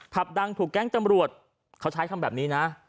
ดังถูกแก๊งจำรวจเขาใช้คำแบบนี้นะ